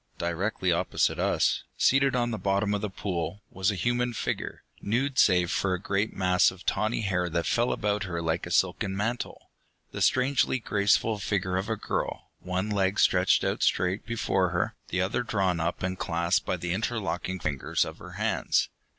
Directly opposite us, seated on the bottom of the pool, was a human figure, nude save for a great mass of tawny hair that fell about her like a silken mantle. The strangely graceful figure of a girl, one leg stretched out straight before her, the other drawn up and clasped by the interlocked fingers of her hands.